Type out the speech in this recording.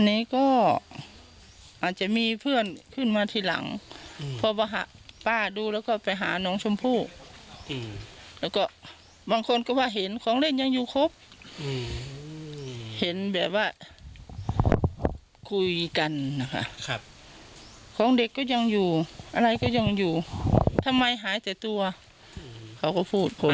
อันนี้ก็อาจจะมีเพื่อนขึ้นมาทีหลังเพราะว่าป้าดูแล้วก็ไปหาน้องชมพู่แล้วก็บางคนก็ว่าเห็นของเล่นยังอยู่ครบเห็นแบบว่าคุยกันนะคะครับของเด็กก็ยังอยู่อะไรก็ยังอยู่ทำไมหายแต่ตัวเขาก็พูดคน